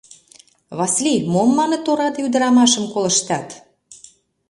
— Васли, мом, маныт, ораде ӱдырамашым колыштат?